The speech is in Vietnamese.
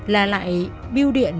là lại biêu điện